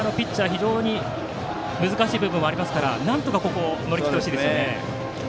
非常に難しい部分はありますからなんとかここを乗り切ってほしいです。